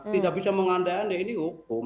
tidak bisa mengandai andai ini hukum